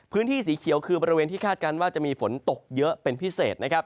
พื้นที่สีเขียวคือบริเวณที่คาดการณ์ว่าจะมีฝนตกเยอะเป็นพิเศษนะครับ